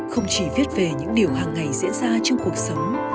không chỉ viết về những điều hàng ngày diễn ra trong cuộc sống